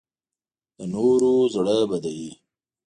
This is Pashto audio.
د نورو زړه بدوي